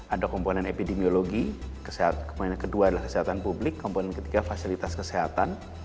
ada komponen epidemiologi kemudian kedua adalah kesehatan publik komponen ketiga fasilitas kesehatan